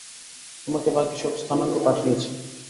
তোমাকে বাকি সব স্থানাঙ্ক পাঠিয়েছি।